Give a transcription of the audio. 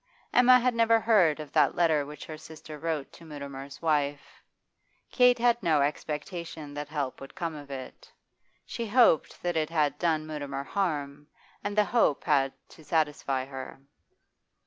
Emma never heard of that letter which her sister wrote to Mutimer's wife. Kate had no expectation that help would come of it; she hoped that it had done Mutimer harm, and the hope had to satisfy her.